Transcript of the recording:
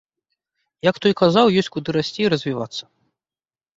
Як той казаў, ёсць куды расці і развівацца.